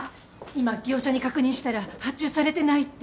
今業者に確認したら発注されてないって。